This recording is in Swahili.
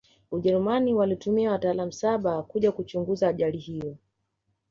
ujerumani walituma wataalamu saba kuja kuchunguza ajari hiyo